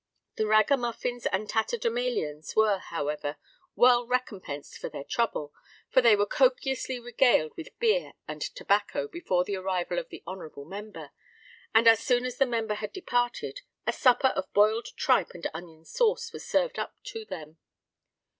The ragamuffins and tatterdemalions were, however, well recompensed for their trouble; for they were copiously regaled with beer and tobacco before the arrival of the honourable member; and as soon as the member had departed, a supper of boiled tripe and onion sauce was served up to them.